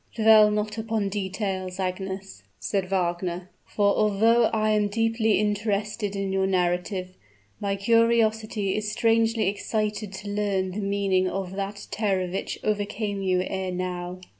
"Dwell not upon details, Agnes," said Wagner; "for, although I am deeply interested in your narrative, my curiosity is strangely excited to learn the meaning of that terror which overcame you ere now."